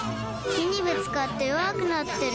木にぶつかってよわくなってる。